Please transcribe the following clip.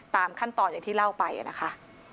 ตามขั้นตอนอย่างที่เล่าไปนะคะ